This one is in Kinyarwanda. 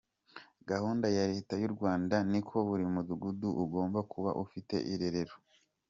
Gahunda ya leta y’u Rwanda ni uko buri mudugudu ugomba kuba ufite irerero.